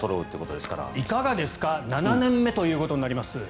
いかがですか７年目ということになります。